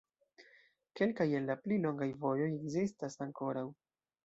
Kelkaj el la pli longaj vojoj ekzistas ankoraŭ.